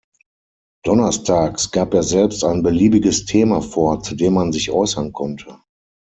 Donnerstags gab er selbst ein beliebiges Thema vor, zu dem man sich äußern konnte.